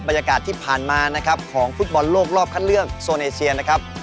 บรรยากาศที่ผ่านมานะครับของฟุตบอลโลกรอบคัดเลือกโซนเอเชียนะครับ